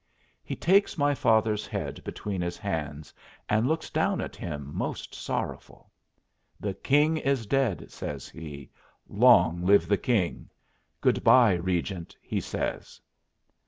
He takes my father's head between his hands and looks down at him most sorrowful. "The king is dead," says he. "Long live the king! Good by, Regent," he says.